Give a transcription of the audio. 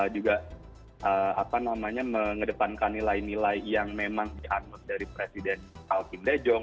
juga mengedepankan nilai nilai yang memang dianggap dari presiden kim dae jong